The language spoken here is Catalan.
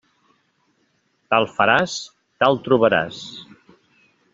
Tal faràs, tal trobaràs.